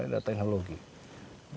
salah satu jalan pendekatan kita